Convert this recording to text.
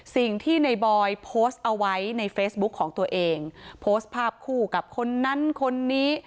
สิ่งที่ในบอยโพสต์เอาไว้ในเฟซบุ๊คของตัวเองโพสต์ภาพคู่กับคนนั้นคนนี้